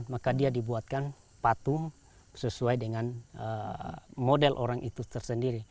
maka dia dibuatkan patung sesuai dengan model orang itu tersendiri